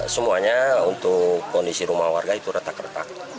semuanya untuk kondisi rumah warga itu retak retak